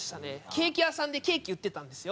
ケーキ屋さんでケーキ売ってたんですよ。